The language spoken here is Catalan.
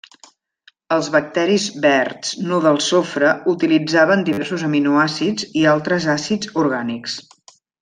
Els bacteris verds no del sofre utilitzaven diversos aminoàcids i altres àcids orgànics.